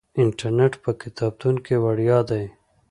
انټرنیټ په کتابتون کې وړیا دی.